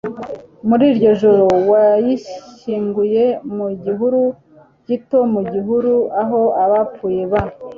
muri iryo joro, yayishyinguye mu gihuru gito mu gihuru aho abapfuye ba